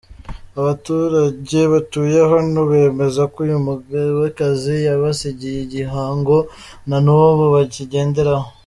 Abaturage batuye hano, bemeza ko uyu mugabekazi yabasigiye igihango na n’ubu bakigenderaho.